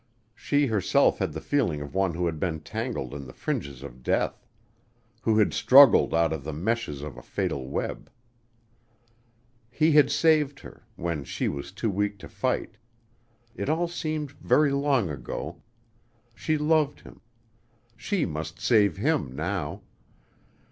She herself had the feeling of one who had been tangled in the fringes of death: who had struggled out of the meshes of a fatal web. He had saved her, when she was too weak to fight it all seemed very long ago.... She loved him.... She must save him now.